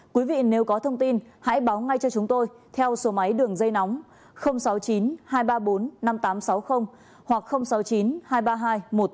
quý vị nếu có thông tin hãy báo ngay cho chúng tôi theo số máy đường dây nóng sáu mươi chín hai trăm ba mươi bốn năm nghìn tám trăm sáu mươi hoặc sáu mươi chín hai trăm ba mươi hai một nghìn sáu trăm sáu mươi bảy hoặc cơ quan công an nơi gần nhất